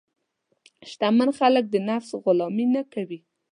شتمن خلک د نفس غلامي نه کوي.